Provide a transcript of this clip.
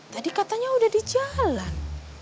tadi katanya udah di jalan